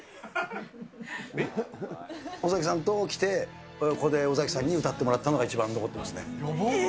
尾崎さんと来て、ここで尾崎さんに歌ってもらったのが、一番残ってますね。